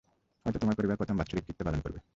হয়তো তোমার পরিবার প্রথম বাৎসরিক কৃত্য পালন করবে।